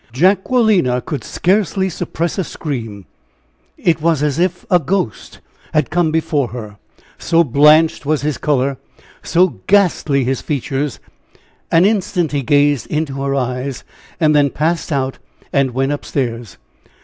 Jacquelina could scarcely suppress a scream; it was as if a ghost had come before her, so blanched was his color, so ghastly his features. An instant he gazed into her eyes, and then passed out and went up stairs.